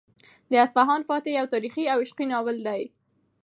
د اصفهان فاتح یو تاریخي او عشقي ناول دی.